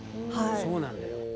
そうなんだよ。